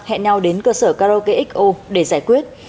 hẹn nhau đến cơ sở karaoke xo để giải quyết